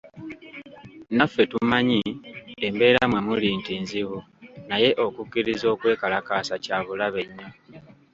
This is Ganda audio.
Naffe tumanyi embeera mwe muli nti nzibu naye okukkiriza okwekalakaasa kya bulabe nnyo.